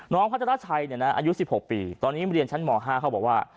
พัชราชัยอายุ๑๖ปีตอนนี้เรียนชั้นม๕เขาบอกว่า